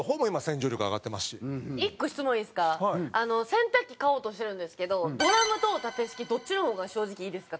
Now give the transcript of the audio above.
洗濯機買おうとしてるんですけどドラムとタテ式どっちの方が正直いいですか？